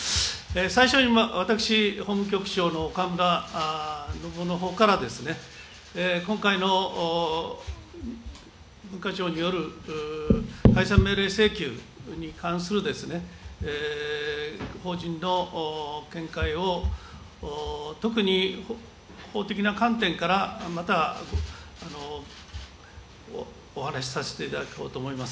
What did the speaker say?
最初に私、法務局長の岡村信男のほうからですね、今回の文化庁による解散命令請求に関する法人の見解を、特に法的な観点から、またお話しさせていただこうと思います。